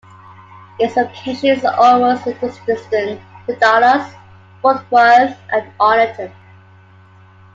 Its location is almost equidistant to Dallas, Fort Worth, and Arlington.